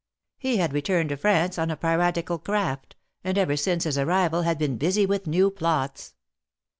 He had returned to France on a piratical craft, and ever since his arrival had been busy with new plots.